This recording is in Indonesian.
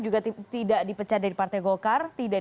juga tidak dipecah dari partai golkar